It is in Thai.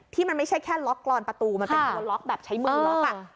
ที่มันไม่ใช่แค่ล็อกกรอนประตูมันเป็นตัวล็อกแบบใช้มือล็อก